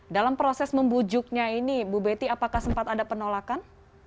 dalam proses membujuknya ini bu betty apakah sempat ada penolakan